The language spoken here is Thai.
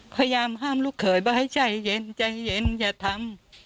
พยายามห้ามลูกเขยว่าให้ใจเย็นใจเย็นอย่าทำ